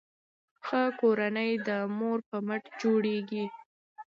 ښه کورنۍ د مور په مټ جوړیږي.